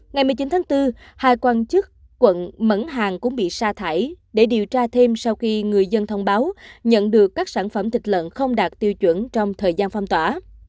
ngày một mươi chín tháng bốn hai quan chức quận mẫn hàng cũng bị sa thải để điều tra thêm sau khi người dân thông báo nhận được các sản phẩm thịt lợn không đạt tiêu chuẩn trong thời gian phong tỏa